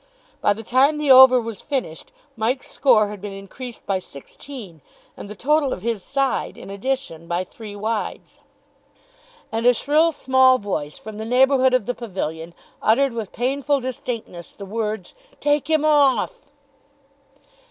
By the time the over was finished, Mike's score had been increased by sixteen, and the total of his side, in addition, by three wides. And a shrill small voice, from the neighbourhood of the pavilion, uttered with painful distinctness the words, "Take him off!"